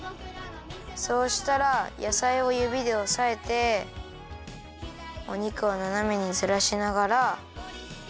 そうしたらやさいをゆびでおさえてお肉をななめにずらしながら。